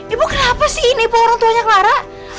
ibu kenapa sih ini orang tuanya kelarak